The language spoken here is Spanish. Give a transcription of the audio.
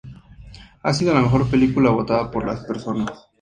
Ha sido la mejor película votada por las personas.